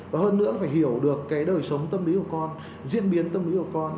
và hơn nữa phải hiểu được cái đời sống tâm lý của con diễn biến tâm lý của con